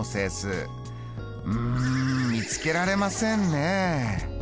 うん見つけられませんね。